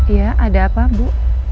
iya ada apa bu